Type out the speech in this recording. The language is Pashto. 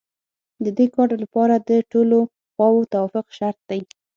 د دې کار لپاره د ټولو خواوو توافق شرط دی